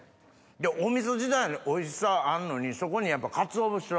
お味噌自体のおいしさあるのにそこにかつお節を。